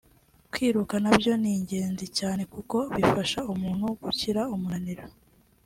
Kwiruka nabyo ni ingezi cyane kuko bifasha umuntu gukira umunariro